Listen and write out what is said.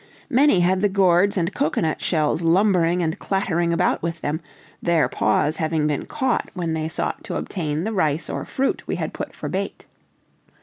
Many had the gourds and cocoanut shells lumbering and clattering about with them, their paws having been caught when they sought to obtain the rice or fruit we had put for bait.